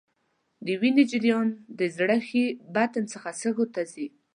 د وینې جریان د زړه ښي بطن څخه سږو ته ځي.